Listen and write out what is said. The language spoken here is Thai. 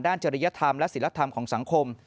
จริยธรรมและศิลธรรมของสังคม